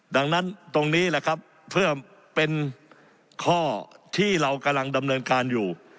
ดังนั้นตรงนี้แหละครับเพื่อเป็นข้อที่เรากำลังดำเนินการอยู่